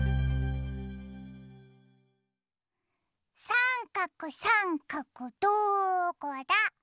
さんかくさんかくどこだ？